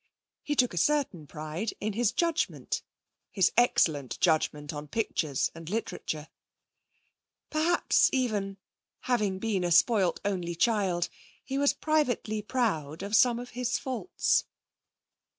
He took a certain pride also in his judgement, his excellent judgement on pictures and literature. Perhaps, even, having been a spoilt only child, he was privately proud of some of his faults.